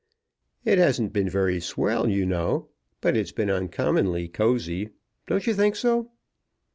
It hasn't been very swell, you know, but it's been uncommonly cosy. Don't you think so?"